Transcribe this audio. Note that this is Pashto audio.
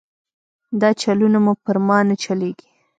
دا چلونه مو پر ما نه چلېږي.